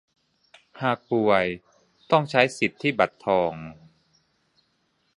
หากป่วยต้องใช้สิทธิบัตรทอง